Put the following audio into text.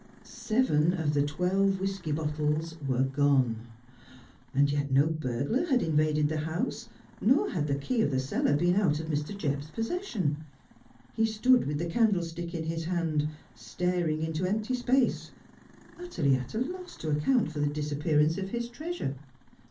Seven of the twelve whisky bottles were gone. And yet no burglar had invaded the house, nor had the key of the cellar been out of Mr. Jebb's possession. He stood with the candle stick in his hand, staring into empty space, utterly at a loss to account for the disappearance of his treasure.